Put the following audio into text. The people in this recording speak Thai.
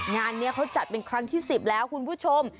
งานนี้เขาจัดเป็นครั้งที่๑๐แล้วคุณผู้ชม